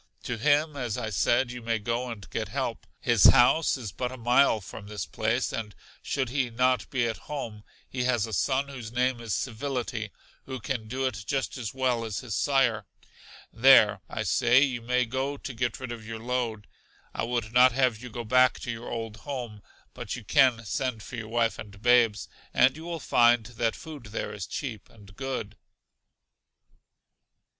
To him as I said, you may go and get help. His house in but a mile from this place, and should he not be at home, he has a son whose name is Civility, who can do it just as well as his sire. There, I say, you may go to get rid of your load. I would not have you go back to your old home, but you can send for your wife and babes, and you will find that food there is cheap and good.